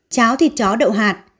cháo thịt chó đậu hạt